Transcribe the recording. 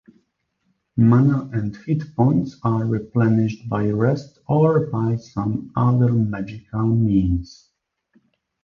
Mana and hit points are replenished by rest or by some other magical means.